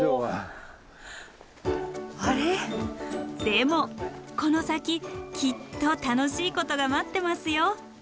でもこの先きっと楽しいことが待ってますよ。